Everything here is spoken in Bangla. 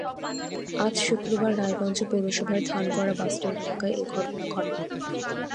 আজ শুক্রবার রায়গঞ্জ পৌরসভার ধানগড়া বাসস্ট্যান্ড এলাকায় এ ঘটনা ঘটে।